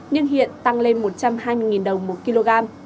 nhưng hiện tăng lên một trăm hai mươi đồng một kg